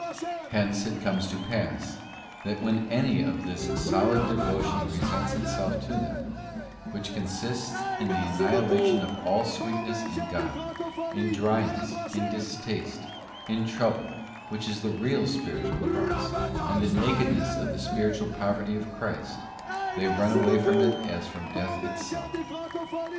Hence it comes to pass, that when any of this solid devotion pre sents itself to them, which consists in the annihilation of all sweetness in God, in dryness, in distaste, in trouble, which is the real spiritual cross, and the nakedness of the spiritual poverty of Christ, they run away from it as from death itself.